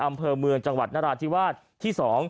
อำเภอเมืองจังหวัดนราธิวาสที่๒